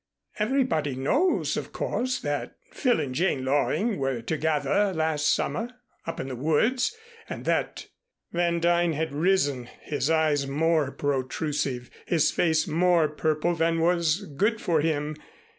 Everybody knows, of course, that Phil and Jane Loring were together last summer up in the woods and that " Van Duyn had risen, his eyes more protrusive, his face more purple than was good for him.